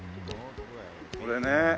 これね。